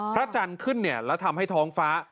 พระจันทร์ขึ้นเนี่ยแล้วทำให้ท้องฟ้า